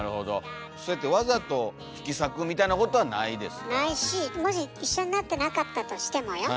そうやってわざと引き裂くみたいなことはないですから。ないしもし一緒になってなかったとしてもよ？